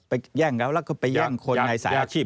แย่งเขาแล้วก็ไปแย่งคนในสายอาชีพ